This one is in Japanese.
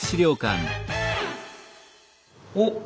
おっ！